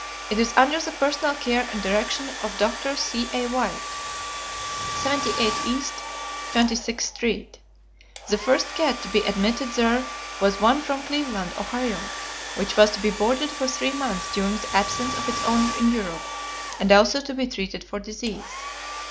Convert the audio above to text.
It is under the personal care and direction of Dr. C.A. White, 78 E. 26th Street. The first cat to be admitted there was one from Cleveland, Ohio, which was to be boarded for three months during the absence of its owner in Europe and also to be treated for disease.